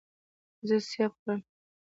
زه سیب خورم.